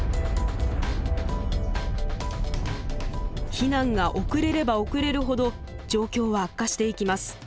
避難が遅れれば遅れるほど状況は悪化していきます。